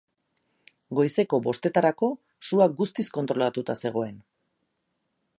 Goizeko bostetarako, sua guztiz kontrolatuta zegoen.